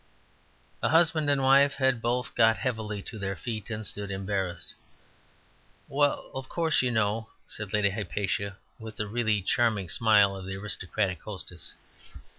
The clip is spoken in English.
The husband and wife had both got heavily to their feet, and stood, embarrassed. "Well, of course, you know," said Lady Hypatia, with the really charming smile of the aristocratic hostess.